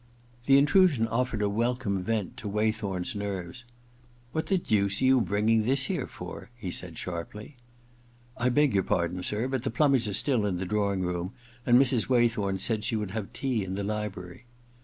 The intrusion offered a welcome vent to Waythorn*s nerves. * What the deuce are you bringing this here for ?* he said sharply. * I beg your pardon, sir, but the plumbers are still in the drawing room, and Mrs. Waythorn said she would have tea in the library.'